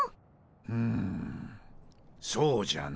うんそうじゃの。